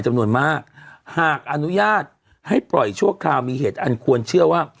จำนวนมากหากอนุญาตให้ปล่อยชั่วคราวมีเหตุอันควรเชื่อว่า